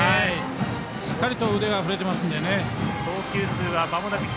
しっかりと腕が振れてますのでね。